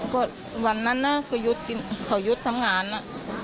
ก็มีก็วันนั้นน่ะเขายุดทำงานอ่ะ